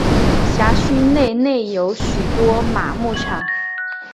辖区内内有许多马牧场。